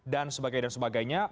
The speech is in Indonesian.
dan sebagainya dan sebagainya